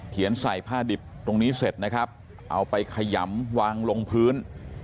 ใส่ผ้าดิบตรงนี้เสร็จนะครับเอาไปขยำวางลงพื้น